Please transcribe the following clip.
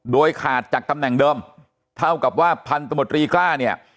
โดยขาดจากตำแหน่งเดิมเท่ากับว่าพันธมตรีกล้าเนี่ย